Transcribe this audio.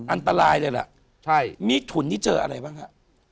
อันตรายเลยล่ะใช่มีถุนที่เจออะไรบ้างฮะ